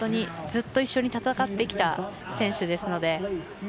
ずっと一緒に戦ってきた選手ですので。